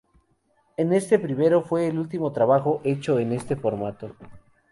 En este primero, fue el último trabajo hecho en ese formato.